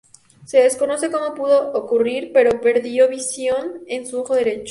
Se desconoce cómo pudo ocurrir, pero perdió visión en su ojo derecho.